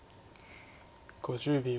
５０秒。